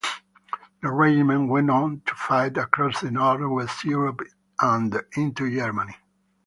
The regiment went on to fight across Northwest Europe and into Germany.